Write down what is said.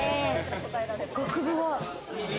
学部は？